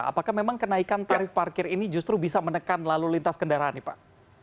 apakah memang kenaikan tarif parkir ini justru bisa menekan lalu lintas kendaraan nih pak